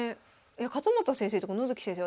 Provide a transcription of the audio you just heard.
勝又先生とか野月先生